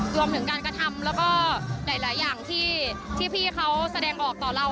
รวมถึงการกระทำแล้วก็หลายอย่างที่พี่เขาแสดงออกต่อเรา